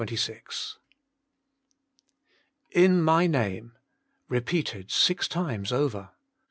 T N MY NAME repeated six times over.